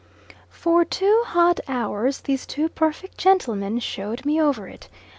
For two hot hours these two perfect gentlemen showed me over it.